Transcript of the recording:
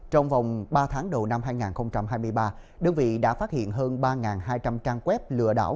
trong vòng ba tháng đầu năm hai nghìn hai mươi ba đơn vị đã phát hiện hơn ba hai trăm linh trang web lừa đảo